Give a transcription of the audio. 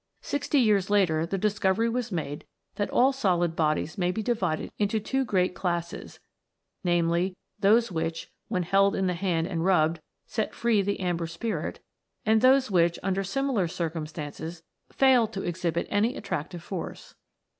Sixty years later, the discovery was made that all solid bodies may be divided into two great classes, namely, those which, when held in the hand and rubbed, set free the Amber Spirit ; and those which, under similar circumstances, fail to exhibit any attractive force.